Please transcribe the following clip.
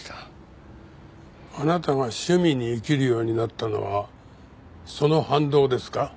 あなたが趣味に生きるようになったのはその反動ですか？